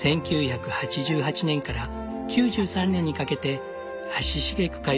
１９８８年から９３年にかけて足しげく通い